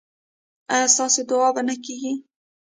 ایا ستاسو دعا به نه کیږي؟